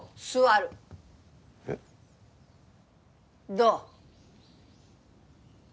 どう？